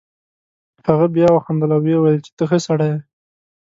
هغه بیا وخندل او ویې ویل چې ته ښه سړی یې.